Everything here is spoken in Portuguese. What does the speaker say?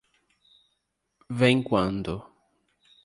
Vem quando?